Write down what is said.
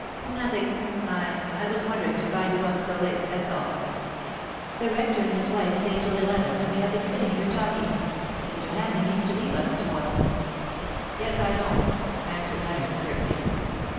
"Nothing — I — I was wondering to find you up so late — that^s all/' "The Rector and his wife stayed till eleven, and we have been sitting here talking. Mr. Ham leigh means to leave us to morrow." "^Yes, I know/^ answered Leonard, curtly.